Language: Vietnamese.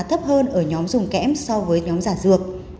thấp hơn ở nhóm dùng kẽm so với nhóm giả dược